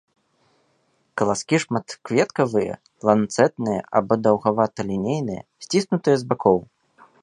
Каласкі шматкветкавыя, ланцэтныя або даўгавата-лінейныя, сціснутыя з бакоў.